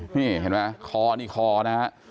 นี่เห็นไหมคอนี่คอนะฮะ